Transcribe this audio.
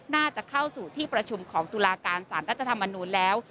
น่าจะเข้าสู่ที่ประชุมของตุลาการสารรัฐธรรมนูลแล้ว